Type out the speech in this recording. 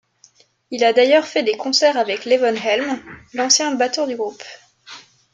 Il a d'ailleurs fait des concerts avec Levon Helm, l'ancien batteur du groupe.